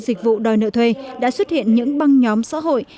dịch vụ đòi nợ thuê đã xuất hiện những băng nhóm xã hội